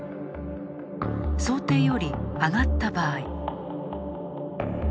想定より上がった場合。